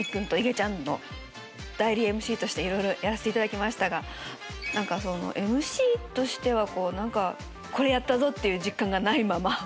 といげちゃんの代理ＭＣとしていろいろやらせていただきましたがＭＣとしては「これやったぞ」っていう実感がないまま